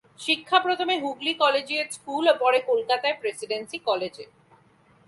শিক্ষা প্রথমে Hooghly collegiate school ও পরে কলকাতার প্রেসিডেন্সী কলেজে।